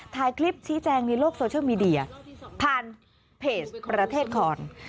ถ่ายคลิปชี้แจงในโลกโซเชียลมีเดียผ่านเพจประเทศคอน